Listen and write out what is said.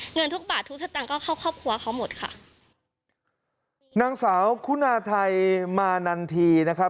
เงินทุกบาททุกสตางค์ก็เข้าครอบครัวเขาหมดค่ะนางสาวคุณาไทยมานันทีนะครับ